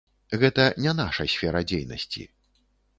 Гэта не наша сфера дзейнасці.